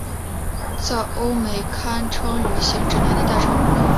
在欧美堪称旅行指南的代称。